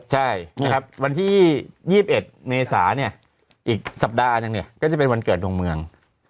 ใช่วันที่๒๑เมษอีกสัปดาห์ก็จะเป็นวันเกิดดวงเมือง